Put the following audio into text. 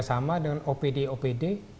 sama dengan opd opd